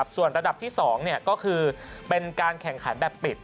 ส่วนระดับที่๒ก็คือเป็นการแข่งขันแบบปิด